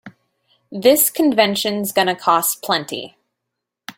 This convention's gonna cost plenty.